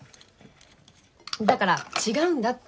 だから違うんだって。